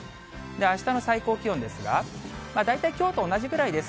あしたの最高気温ですが、大体きょうと同じぐらいです。